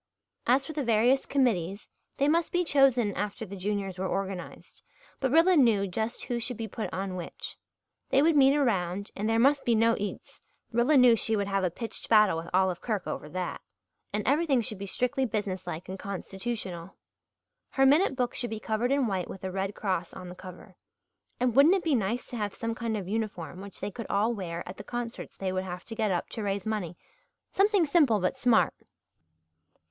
As for the various committees, they must be chosen after the Juniors were organized, but Rilla knew just who should be put on which. They would meet around and there must be no eats Rilla knew she would have a pitched battle with Olive Kirk over that and everything should be strictly business like and constitutional. Her minute book should be covered in white with a Red Cross on the cover and wouldn't it be nice to have some kind of uniform which they could all wear at the concerts they would have to get up to raise money something simple but smart?